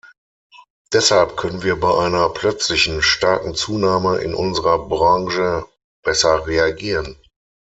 Deshalb können wir bei einer plötzlichen starken Zunahme in unserer Branche besser reagieren.